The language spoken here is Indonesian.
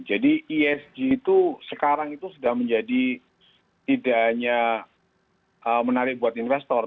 jadi esg itu sekarang itu sudah menjadi tidak hanya menarik buat investor